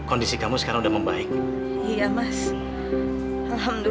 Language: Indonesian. ini saja pengalam baru kalaumu